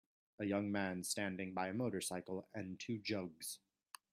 A young man standing by a motorcycle and two jugs